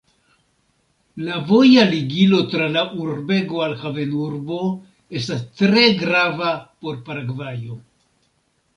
La voja ligilo tra la urbego al havenurbo estas tre grava por Paragvajo.